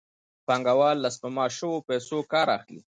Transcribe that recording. پانګوال له سپما شویو پیسو کار اخلي